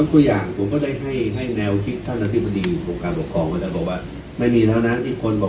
ยังยกตัวอย่างผมก็ได้ให้แนวคิดท่านอธิบดีกับการปกครองกันแต่บอกว่าไม่มีเท่านั้นที่คนบอก